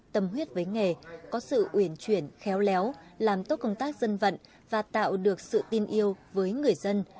tâm huyết với nghề có sự uyển chuyển khéo léo làm tốt công tác dân vận và tạo được sự tin yêu với người dân